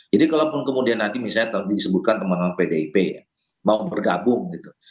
jadi kalau pun kemudian nanti misalnya disebutkan teman teman pdip mau bergabung gitu